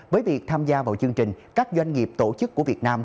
với việc tham gia vào chương trình các doanh nghiệp tổ chức của việt nam